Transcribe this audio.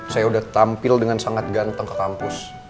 saya udah tampil dengan sangat ganteng ke kampus